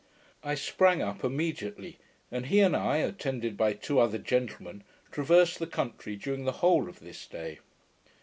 I sprang up immediately, and he and I, attended by two other gentlemen, traversed the country during the whole of this day.